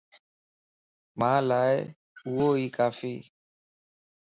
مان لا اھو اي ڪافيَ